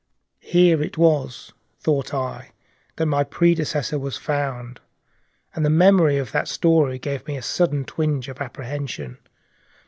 Here it was, thought I, that my predecessor was found, and the memory of that story gave me a sudden twinge of apprehension.